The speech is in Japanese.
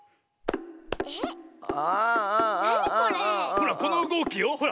ほらこのうごきよほら。